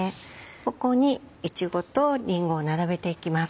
ここにいちごとりんごを並べていきます。